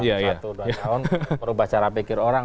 satu dua tahun merubah cara pikir orang